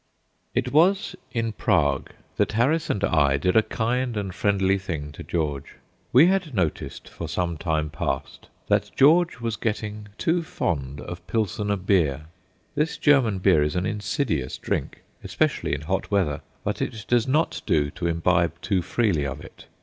It was in Prague that Harris and I did a kind and friendly thing to George. We had noticed for some time past that George was getting too fond of Pilsener beer. This German beer is an insidious drink, especially in hot weather; but it does not do to imbibe too freely of it.